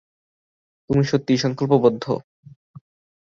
তুমি সত্যিই সংকল্পবদ্ধ।